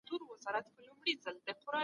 دا کړنه د نوموړو مشرانو کرکه را وپاروله.